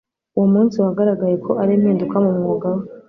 uwo munsi wagaragaye ko ari impinduka mu mwuga we